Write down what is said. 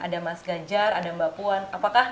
ada mas gajar ada mbak puan